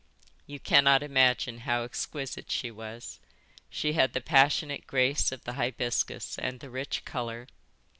You cannot imagine how exquisite she was. She had the passionate grace of the hibiscus and the rich colour.